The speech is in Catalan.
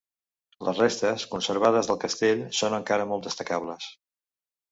Les restes conservades del castell són encara molt destacables.